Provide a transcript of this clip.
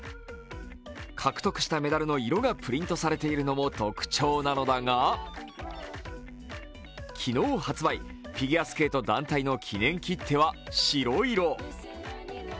獲得したメダルの色がプリントされているのも特徴なのだが、昨日発売、フィギュアスケート団体の記念切手は白色。